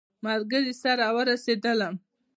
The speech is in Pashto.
ملګري سره ورسېدلم.